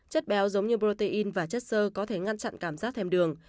chất béo giống như protein và chất sơ có thể ngăn chặn cảm giác thèm đường